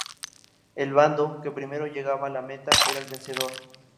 El bando, que primero llegaba a la meta, era el vencedor.